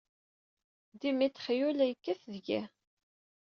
Demetrius la d-yekkat deg-i!